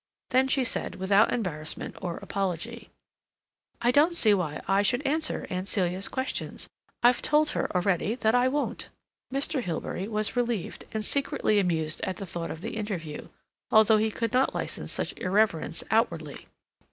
Then she said, without embarrassment or apology: "I don't see why I should answer Aunt Celia's questions. I've told her already that I won't." Mr. Hilbery was relieved and secretly amused at the thought of the interview, although he could not license such irreverence outwardly.